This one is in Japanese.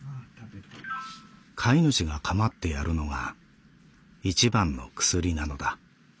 飼い主がかまってやるのが一番の薬なのだ」。